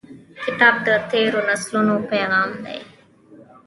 کتاب د تیرو نسلونو پیغام دی.